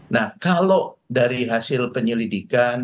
nah kalau dari hasil penyelidikan